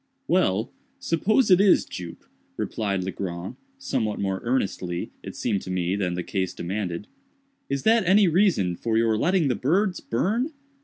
"Well, suppose it is, Jup," replied Legrand, somewhat more earnestly, it seemed to me, than the case demanded, "is that any reason for your letting the birds burn?